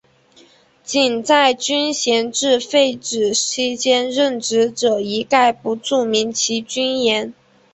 仅在军衔制废止期间任职者一概不注明其军衔。